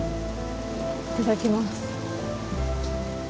いただきます。